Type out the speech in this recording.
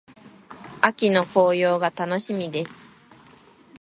秋の紅葉が楽しみです。